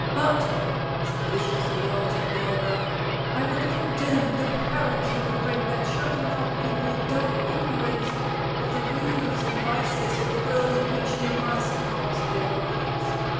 But," with a vicious glance at Barbara, "I would condemn the parents who would bring their children up in a dark ignorance of the woes and vices of the world in which they must pass their lives.